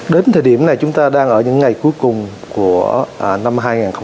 đến thời điểm này chúng ta đang ở những ngày cuối cùng của năm hai nghìn hai mươi